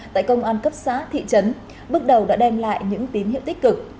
tại công an cấp xã thị trấn bước đầu đã đem lại những tín hiệu tích cực